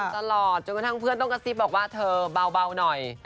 จนกระทั่งเพื่อนต้องกระซิบบอกว่าเธอเบาหน่อย